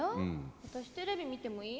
私テレビ見てもいい？